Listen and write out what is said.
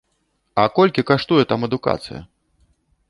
А колькі каштуе там адукацыя?